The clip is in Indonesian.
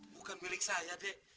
bukan milik saya deh